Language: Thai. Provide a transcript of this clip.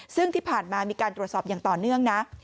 ซึ่งที่ผ่านมามีการตรวจสอบอย่างต่อเนื่องนะ